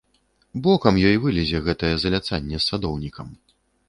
Бокам ёй вылезе гэтае заляцанне з садоўнікам.